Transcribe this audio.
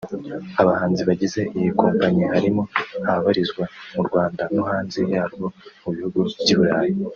Abahanzi bagize iyi kompanyi harimo ababarizwa mu Rwanda no hanze yarwo mu bihugu by’i Burayi